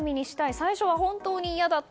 最初は本当に嫌だった。